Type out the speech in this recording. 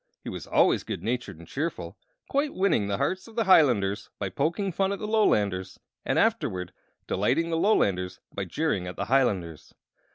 He was always good natured and cheerful, quite winning the hearts of the Hilanders by poking fun at the Lolanders, and afterward delighting the Lolanders by jeering at the Hilanders.